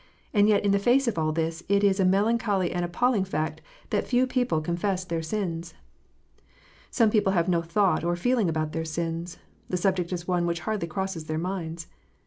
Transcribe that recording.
And yet in the face of all this, it is a melancholy and appalling fact that few people confess their sins ! Some people have no thought or feeling about their sins : the subject is one which hardly crosses their minds.